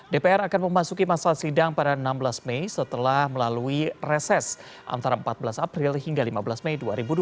dpr akan memasuki masa sidang pada enam belas mei setelah melalui reses antara empat belas april hingga lima belas mei dua ribu dua puluh